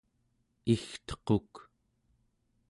igtequk